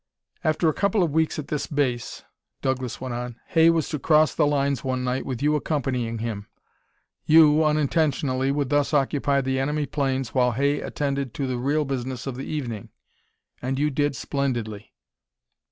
"After a couple of weeks at this base," Douglas went on, "Hay was to cross the lines one night with you accompanying him. You, unintentionally, would thus occupy the enemy planes while Hay attended to the real business of the evening. And you did splendidly!"